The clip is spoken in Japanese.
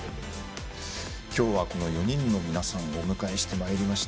今日はこの４人の皆さんをお迎えしてまいりました。